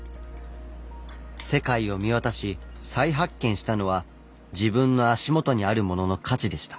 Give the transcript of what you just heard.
世界を見渡し再発見したのは自分の足元にあるものの価値でした。